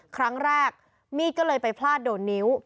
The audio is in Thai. ครั้งแรกมีดก็เลยไปพลาดโดนนิ้ว